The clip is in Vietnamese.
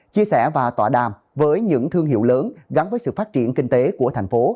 chia sẻ và tọa đàm với những thương hiệu lớn gắn với sự phát triển kinh tế của thành phố